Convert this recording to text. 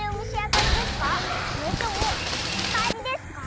それともおもちかえりですか？